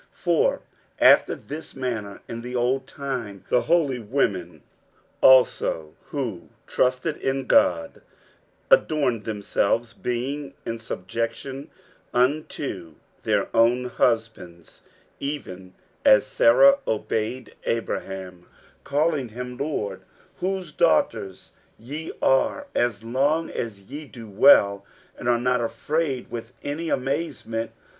60:003:005 For after this manner in the old time the holy women also, who trusted in God, adorned themselves, being in subjection unto their own husbands: 60:003:006 Even as Sara obeyed Abraham, calling him lord: whose daughters ye are, as long as ye do well, and are not afraid with any amazement.